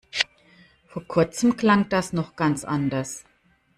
Vor kurzem klang das noch ganz anders.